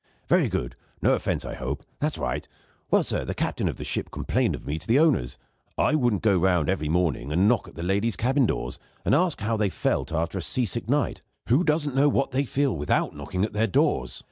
"Very good. No offence, I hope? That's right! Well, sir, the captain of the ship complained of me to the owners; I wouldn't go round, every morning, and knock at the ladies' cabin doors, and ask how they felt after a sea sick night. Who doesn't know what they feel, without knocking at their doors?